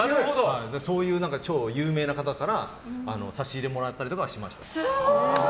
そういう超有名な方から差し入れもらったりとかはしました。